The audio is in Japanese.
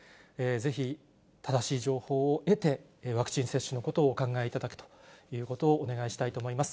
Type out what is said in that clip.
ぜひ正しい情報を得て、ワクチン接種のことをお考えいただくということをお願いしたいと思います。